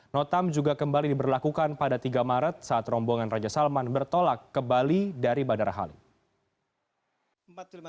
notam juga kembali diberlakukan pada tiga maret saat rombongan raja salman bertolak ke bali dari bandara halim